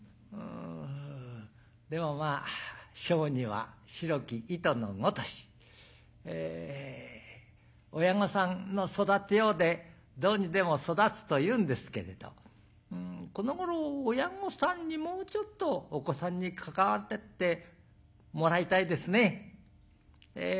でもまあ「小児は白き糸の如し」。親御さんの育てようでどうにでも育つというんですけれどこのごろ親御さんにもうちょっとお子さんに関わってってもらいたいですね。